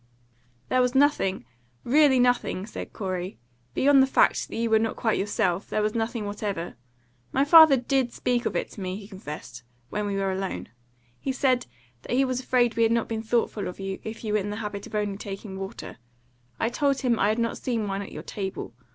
"There was nothing really nothing," said Corey. "Beyond the fact that you were not quite yourself, there was nothing whatever. My father DID speak of it to me," he confessed, "when we were alone. He said that he was afraid we had not been thoughtful of you, if you were in the habit of taking only water; I told him I had not seen wine at your table.